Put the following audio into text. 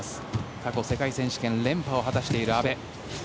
過去世界選手権連覇を果たしている阿部。